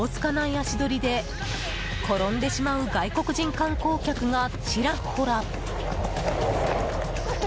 足取りで転んでしまう外国人観光客がちらほら。